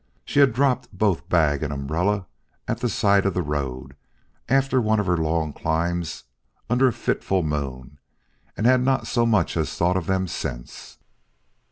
She had dropped both bag and umbrella at the side of the road after one of her long climbs under a fitful moon and had not so much as thought of them since.